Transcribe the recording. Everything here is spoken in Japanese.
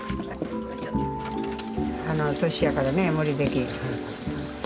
年やからね無理できん。